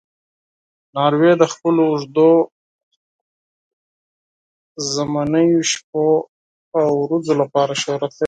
ناروی د خپلو اوږدو ژمنیو شپو او ورځو لپاره شهرت لري.